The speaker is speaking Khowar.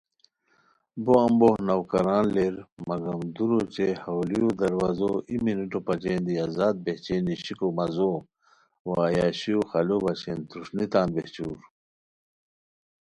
بو امبوخ نوکران لیرمگم دُور اوچے ہاؤلیو دروازو ای منٹو بچین دی آزاد بہچئے نیشیکو مزو وا عیاشیو خالو بچین تھروݰنی تان بہچور